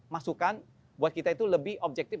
masukan buat kita itu lebih objektif